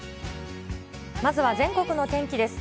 まずは全国の天気です。